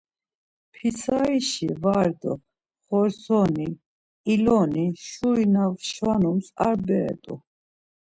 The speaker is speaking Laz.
Pitsarişi var do xortsoni, iloni şuri na şvanums ar bere t̆u.